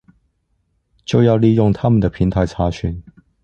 就要利用它們的平台查詢